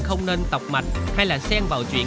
không nên tọc mạch hay là sen vào chuyện